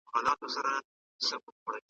ایا د ناول ژبه د عامو خلکو لپاره ساده ده؟